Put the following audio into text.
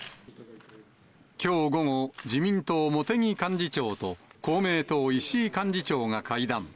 きょう午後、自民党、茂木幹事長と、公明党、石井幹事長が会談。